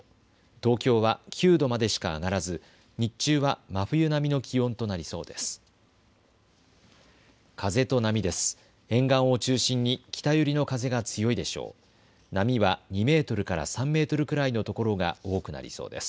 東京は９度までしか上がらず日中は真冬並みの気温となりそうです。